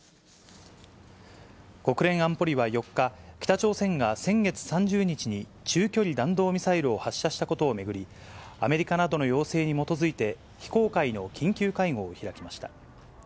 国連安保理は４日、北朝鮮が先月３０日に中距離弾道ミサイルを発射したことを巡り、アメリカなどの要請に基づいて、非公開の緊急会合を開きました。